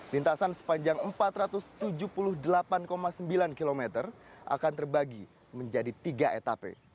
lintasan sepanjang empat ratus tujuh puluh delapan sembilan km akan terbagi menjadi tiga etape